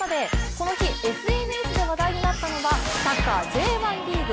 この日、ＳＮＳで話題になったのはサッカーＪ１リーグ。